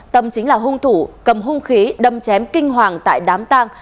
tâm chính là hung thủ cầm hung khí đâm chém kinh hoàng tại đám tang